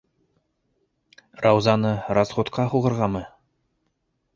Раузаны расхутҡа һуғырғамы?